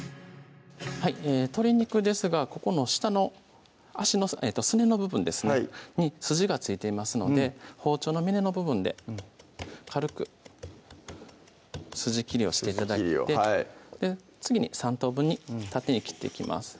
鶏肉ですがここの下の脚のすねの部分ですねに筋が付いていますので包丁の峰の部分で軽く筋切りをして頂いて次に３等分に縦に切っていきます